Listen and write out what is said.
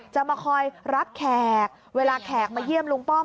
จะมาคอยรับแขกเวลาแขกมาเยี่ยมลุงป้อม